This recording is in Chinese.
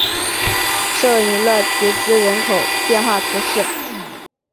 圣伊勒皮兹人口变化图示